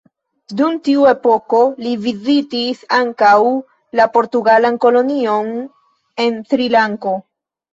Dum tiu epoko li vizitis ankaŭ la portugalan kolonion en Srilanko.